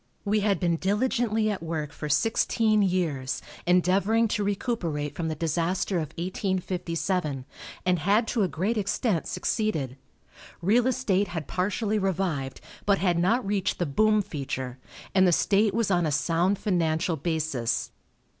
We had been diligently at work for sixteen years, endeavoring to recuperate from the disaster of 1857, and had to a great extent succeeded. Real estate had partially revived, but had not reached the boom feature, and the state was on a sound financial basis.